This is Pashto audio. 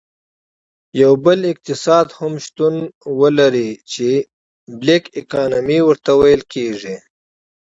یو بل اقتصاد هم شتون ولري چې Black Economy ورته ویل کیږي.